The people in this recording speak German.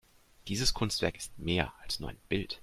Dieses Kunstwerk ist mehr als nur ein Bild.